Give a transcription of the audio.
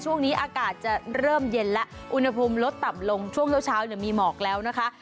ช่วงนี้อากาศจะเริ่มเย็นแล้วอุณหภูมิลดต่ำลงช่วงเช้ามีหมอกแล้วนะคะ